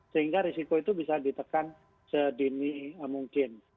sehingga risiko itu bisa ditekan sedini mungkin